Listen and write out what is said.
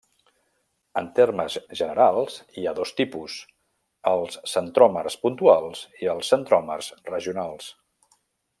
En termes generals, hi ha dos tipus: els centròmers puntuals i els centròmers regionals.